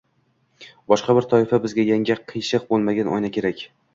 Boshqa bir toifa “bizga yangi, qiyshiq bo‘lmagan oyna kerak